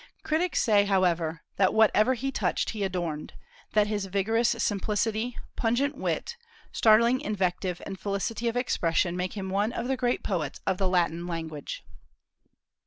Critics say, however, that whatever he touched he adorned; that his vigorous simplicity, pungent wit, startling invective, and felicity of expression make him one of the great poets of the Latin language.